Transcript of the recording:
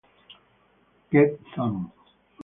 Get Some